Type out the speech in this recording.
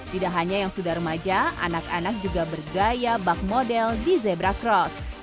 tidak hanya yang sudah remaja anak anak juga bergaya bak model di zebra cross